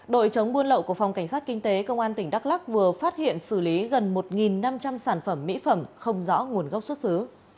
đội chống buôn lậu của phòng cảnh sát kinh tế công an tỉnh đắk lắc vừa phát hiện xử lý gần một năm trăm linh sản phẩm mỹ phẩm không rõ nguồn gốc xuất xứ